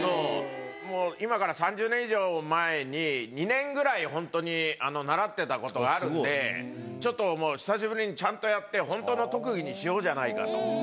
もう今から３０年以上前に２年ぐらい本当に習ってたことがあるんでちょっともう久しぶりにちゃんとやって本当の特技にしようじゃないかと。